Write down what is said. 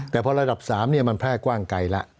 แต่เพราะระดับ๓เนี่ยมันแพร่กว้างไกลละ